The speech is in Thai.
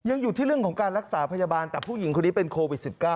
อยู่ที่เรื่องของการรักษาพยาบาลแต่ผู้หญิงคนนี้เป็นโควิด๑๙